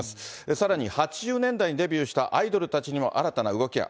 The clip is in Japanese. さらに８０年代にデビューしたアイドルたちにも新たな動きが。